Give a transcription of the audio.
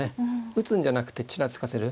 打つんじゃなくてちらつかせる。